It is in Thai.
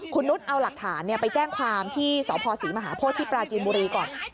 คุณนุษย์เอาหลักฐานไปแจ้งความที่สพศรีมหาโพธิที่ปราจีนบุรีก่อน